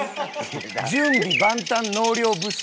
準備万端納涼ブス。